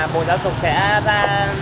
bộ giáo dục sẽ ra